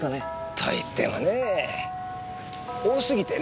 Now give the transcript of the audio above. と言ってもねぇ多すぎてね。